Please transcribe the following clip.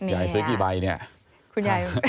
ยายซื้อกี่ใบเนี่ย